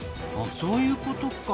そういうことか。